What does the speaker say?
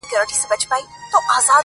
په زړه سوي به یې نېکمرغه مظلومان سي؛